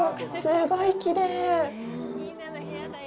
すごいきれい！